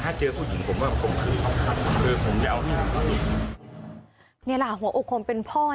แล้วก็น้องหันหลังที่นี่